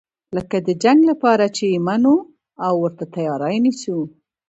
لکه د جنګ لپاره چې یې منو او ورته تیاری نیسو.